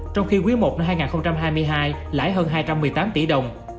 trong khi quý i năm hai nghìn hai mươi hai lãi hơn hai trăm một mươi tám tỷ đồng